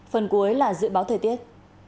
phần cuối là dự báo thời tiết